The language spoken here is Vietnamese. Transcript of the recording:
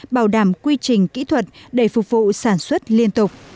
bảo đảm quy trình kỹ thuật để phục vụ sản xuất liên tục